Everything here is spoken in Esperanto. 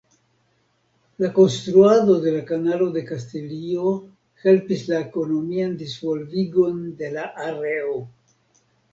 La konstruado de la Kanalo de Kastilio helpis la ekonomian disvolvigon de la areo.